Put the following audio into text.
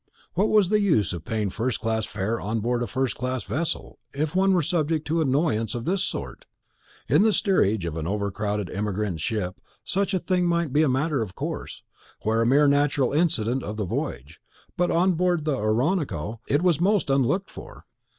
What was the use of paying first class fare on board a first class vessel, if one were subject to annoyance of this sort? In the steerage of an overcrowded emigrant ship such a thing might be a matter of course a mere natural incident of the voyage but on board the Oronoco it was most unlooked for.